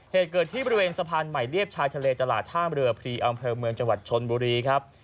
เหตุเกิดที่บริเวณสะพานใหม่เรียบชายทะเลตลาดท่ามเรือพรีอำเภอเมืองจังหวัดชนบุรีครับ